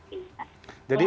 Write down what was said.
karena perbedaan kita